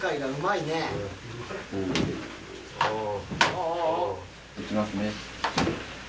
いきますね。